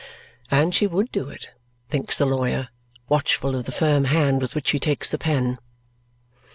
And she would do it, thinks the lawyer, watchful of the firm hand with which she takes the pen!